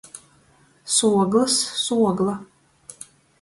Suogls, suogla.